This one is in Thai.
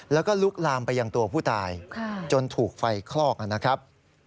แล้วก็ลุกลามไปยังตัวผู้ตายจนถูกไฟคลอกนะครับ